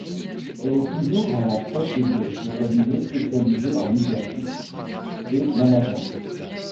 Elle est toujours à la tête de ce cabinet spécialisé en leadership et management.